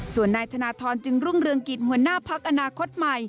ส่วนนายธนทรจึงรุ่งเรืองกิจหัวหน้าพักอนาคตใหม่